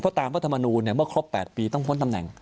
เพราะตามพระธรรมนูนว่าครบ๘ปีต้องพ้นตำแหน่ง